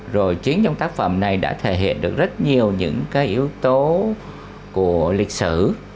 rồi chính trong tác phẩm này đã thể hiện được rất nhiều những cái yếu tố của lịch sử